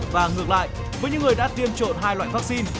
và ngược lại với những người đã tiêm trộn hai loại vaccine